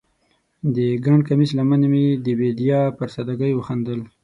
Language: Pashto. د ګنډ کمیس لمنې مې د بیدیا پر سادګۍ وخندل